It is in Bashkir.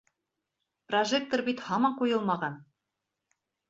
Прожектор бит һаман ҡуйылмаған!..